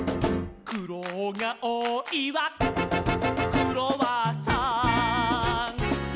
「くろうがおおいわクロワッサン」「」